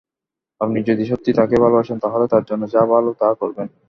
আপনি যদি সত্যিই তাকে ভালোবাসেন, তাহলে তার জন্য যা ভালো তা করবেন।